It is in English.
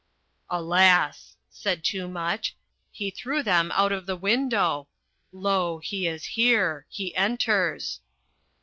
"Alas," said Toomuch, "he threw them out of the window. Lo! he is here, he enters."